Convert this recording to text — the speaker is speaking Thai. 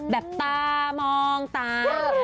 แบบตามองตา